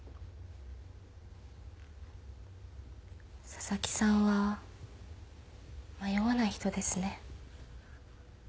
紗崎さんは迷わない人ですね。